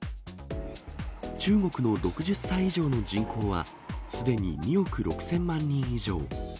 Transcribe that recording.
中国の６０歳以上の人口はすでに２億６０００万人以上。